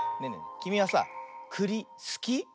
きみはさくりすき？